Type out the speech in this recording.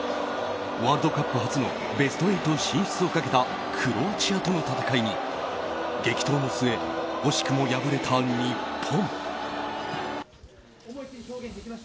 ワールドカップ初のベスト８進出をかけたクロアチアとの戦いに激闘の末、惜しくも敗れた日本。